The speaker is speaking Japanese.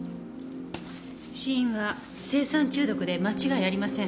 死因は青酸中毒で間違いありません。